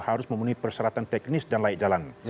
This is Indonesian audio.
harus memenuhi persyaratan teknis dan layak jalan